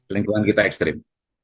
lingkungan kita ekstrim